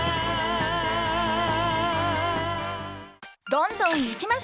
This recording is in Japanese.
［どんどんいきます！］